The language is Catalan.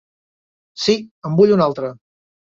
Sí, en vull un altre.